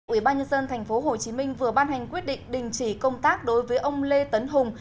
ủy ban nhân dân tp hcm vừa ban hành quyết định đình chỉ công tác đối với ông lê tấn hùng